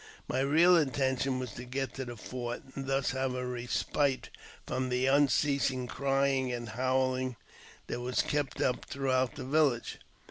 My real intention was to get to the fort, and thus have a respite from the un ceasing crying and howling that was kept up throughout th( village.